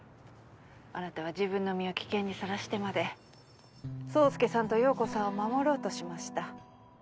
あなたは自分の身を危険に晒してまで宗介さんと葉子さんを守ろうとしました。